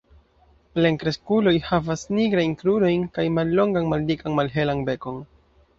Plenkreskuloj havas nigrajn krurojn kaj mallongan maldikan malhelan bekon.